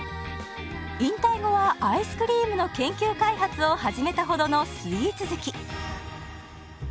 引退後はアイスクリームの研究開発を始めたほどのスイーツ好き。